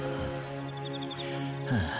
はあ。